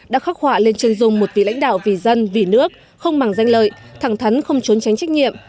đã khắc họa lên chân dung một vị lãnh đạo vì dân vì nước không bằng danh lợi thẳng thắn không trốn tránh trách nhiệm